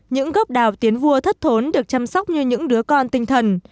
những gốc đào tiến vua thất thốn được chăm sóc như những đứa con tinh thần